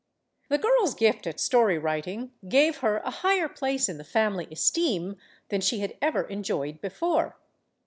The girl's gift at story writing gave her a higher place in the family esteem than she had ever enjoyed before.